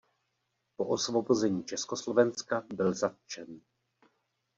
Po osvobození Československa byl zatčen.